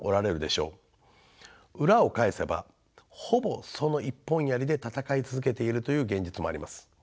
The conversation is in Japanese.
裏を返せばほぼその一本やりで戦い続けているという現実もあります。